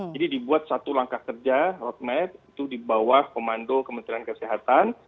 jadi dibuat satu langkah kerja roadmap itu dibawah komando kementerian kesehatan